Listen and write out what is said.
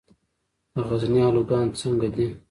د غزني الوګان څنګه دي؟